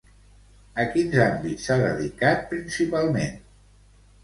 A quins àmbits s'ha dedicat principalment?